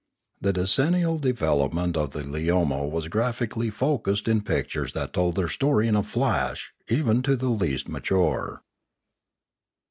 The decen nial development of the Leomo was graphically focussed in pictures that told their story in a flash even to the least mature.